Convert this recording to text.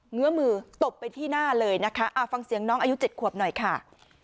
ื้อมือตบไปที่หน้าเลยนะคะฟังเสียงน้องอายุ๗ขวบหน่อยค่ะ